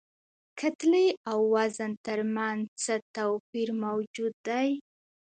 کتلې او وزن تر منځ څه توپیر موجود دی؟